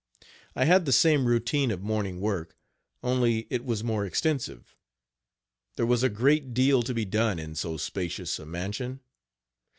I had the same routine of morning work, only it was more extensive. There was a great deal to be done in so spacious a mansion.